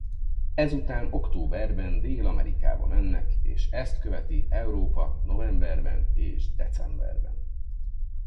Ezután októberben Dél-Amerikába mennek és ezt követi Európa novemberben és decemberben.